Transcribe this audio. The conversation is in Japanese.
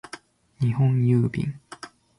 日本郵便